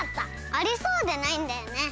ありそうでないんだよね。